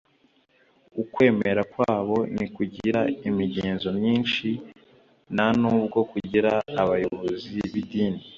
ukwemera kw’ abo ntikugira imigenzo myinshi nta n’ubwo kugira abayobozi b’idini.